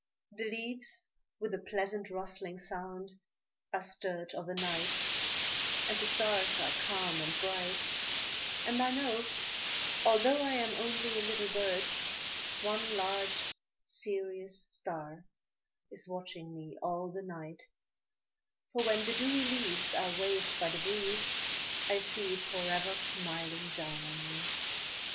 The leaves with a pleasant rustling sound are stirred Of a night, and the stars are calm and bright; And I know, although I am only a little bird, One large serious star is watching me all the night, For when the dewy leaves are waved by the breeze, I see it forever smiling down on me.